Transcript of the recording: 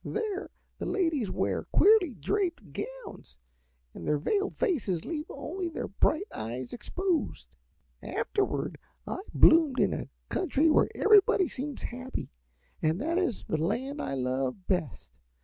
"There the ladies wear queerly draped gowns and their veiled faces leave only their bright eyes exposed. "Afterward I bloomed in a country where everybody seems happy, and that is the land I love best.